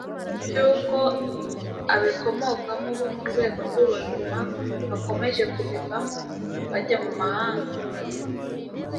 cyuko abikomokamo bo mu rwego rw'ubuzima bakomeje kubivamo bajya mu mahanga